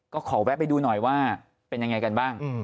ก็ขอแวะไปดูหน่อยว่าเป็นยังไงกันบ้าง